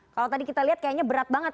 kalau tadi kita lihat kayaknya berat banget